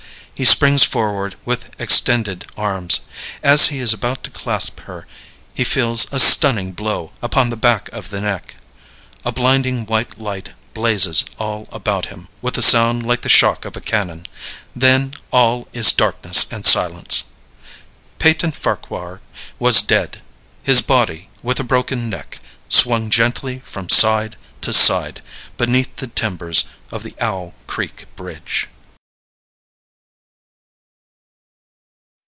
He springs forward with extended arms. As he is about to clasp her he feels a stunning blow upon the back of the neck; a blinding white light blazes all about him, with a sound like the shock of a cannon then all is darkness and silence! Peyton Farquhar was dead; his body, with a broken neck, swung gently from side to side beneath the timbers of the Owl Creek Bridge.